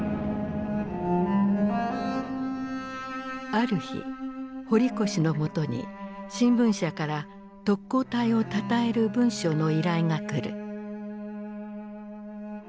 ある日堀越の元に新聞社から特攻隊をたたえる文章の依頼が来る。